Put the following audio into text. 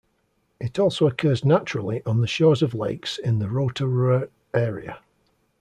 It also occurs naturally on the shores of lakes in the Rotorua area.